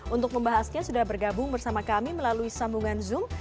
untuk membahasnya sudah bergabung bersama kami melalui sambungan zoom